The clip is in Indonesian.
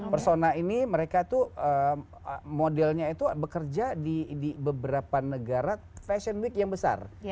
persona ini mereka tuh modelnya itu bekerja di beberapa negara fashion week yang besar